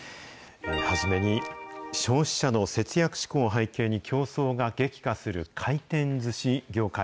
初めに、消費者の節約志向を背景に競争が激化する回転ずし業界。